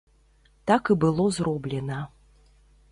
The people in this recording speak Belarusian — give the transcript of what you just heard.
Так і было зроблена.